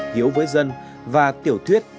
hiếu với dân và tiểu thuyết